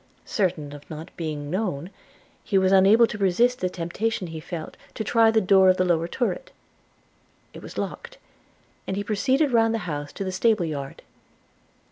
Certain of not being known, he was unable to resist the temptation he felt, to try the door of the lower turret – It was locked, and he proceeded round the house to the stable yard.